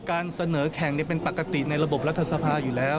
การเสนอแข่งเป็นปกติในระบบรัฐสภาอยู่แล้ว